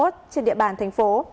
trên địa bàn thành phố